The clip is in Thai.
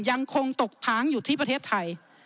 ยังคงตกค้างอยู่ที่ประเทศไทย